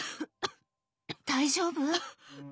大丈夫？